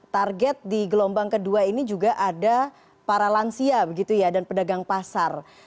target di gelombang kedua ini juga ada para lansia begitu ya dan pedagang pasar